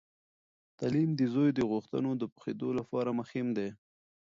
تعلیم د زوی د غوښتنو د پوهیدو لپاره مهم دی.